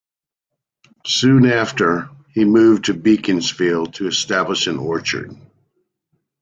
Soon after, he moved to Beaconsfield to establish an orchard.